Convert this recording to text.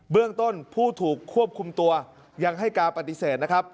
เรื่องต้นผู้ถูกควบคุมตัวยังให้การปฏิเสธนะครับ